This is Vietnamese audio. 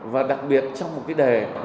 và đặc biệt trong một cái đề